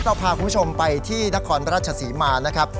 เราพาคุณผู้ชมไปที่นครราชศรีมานะครับ